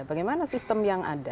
bagaimana sistem yang ada